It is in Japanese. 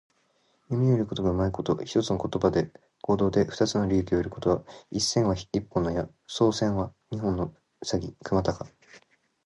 弓を射るのがうまいこと。一つの行動で二つの利益を得ること。「一箭」は一本の矢、「双雕」は二羽の鷲。くまたか。